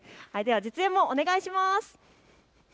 実演もお願いします。